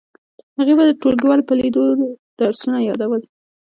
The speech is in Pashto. هغې به د ټولګیوالو په لیدو درسونه یادول